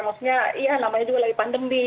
maksudnya ya namanya juga lagi pandemi